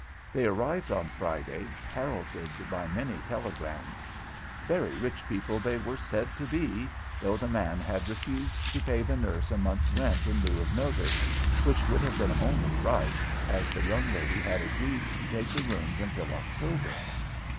They arrived on Friday, heralded by many telegrams. Very rich people they were said to be, though the man had refused to pay the nurse a month's rent in lieu of notice, which would have been only right, as the young lady had agreed to take the rooms until October.